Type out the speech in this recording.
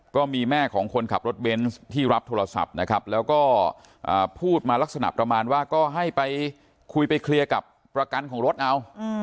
ก็มีแม่ของคนขับรถเบนส์ที่รับโทรศัพท์นะครับแล้วก็พูดมาลักษณะประมาณว่าก็ให้ไปคุยไปเคลียร์กับประกันของรถเอา